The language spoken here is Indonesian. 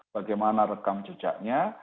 bagaimana rekam jejaknya